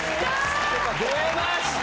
出ました！